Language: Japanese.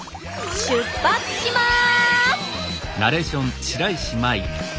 出発します！